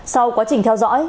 sau quá trình theo dõi